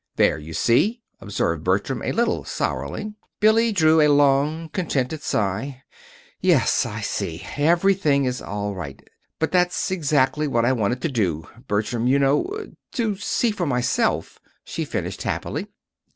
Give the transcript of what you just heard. "There, you see," observed Bertram, a little sourly. Billy drew a long, contented sigh. "Yes, I see; everything is all right. But that's exactly what I wanted to do, Bertram, you know to see for myself," she finished happily.